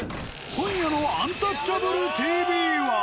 今夜の「アンタッチャブるＴＶ」は。